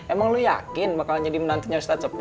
emang lo yakin bakal jadi menantinya ustaz sepuh